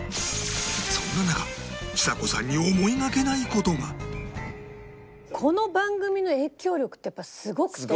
そんな中ちさ子さんにこの番組の影響力ってやっぱすごくて。